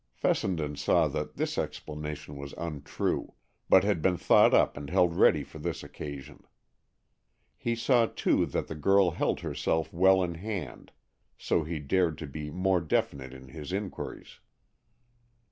Fessenden saw that this explanation was untrue, but had been thought up and held ready for this occasion. He saw, too, that the girl held herself well in hand, so he dared to be more definite in his inquiries.